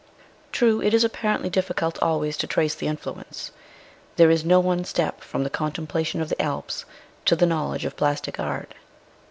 True, it is apparently difficult always to trace the influence. There is no one step from the contemplation of the Alps to the knowledge of plastic art.